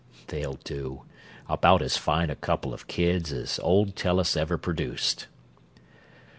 They'll do about as fine a couple of kids as old Tellus ever produced.